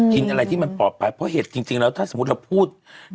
กินอะไรที่มันปลอดภัยเพราะเห็ดจริงแล้วถ้าสมมุติเราพูด